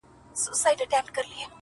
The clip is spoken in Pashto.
o زه په دې افتادګۍ کي لوی ګَړنګ یم؛